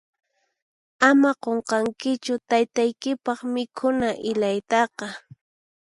Ama qunqankichu taytaykipaq mikhuna ilaytaqa.